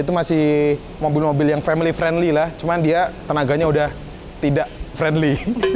itu masih mobil mobil yang family friendly lah cuma dia tenaganya udah tidak friendly